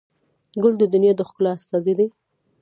ګل د دنیا د ښکلا استازی دی.